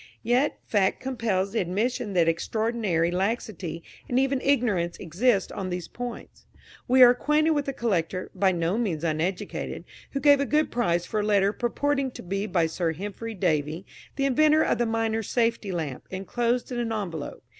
Yet fact compels the admission that extraordinary laxity and even ignorance exist on these points. We are acquainted with a collector, by no means uneducated, who gave a good price for a letter purporting to be by Sir Humphrey Davy, the inventor of the miners' safety lamp, enclosed in an envelope.